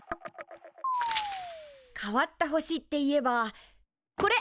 変わった星っていえばこれ！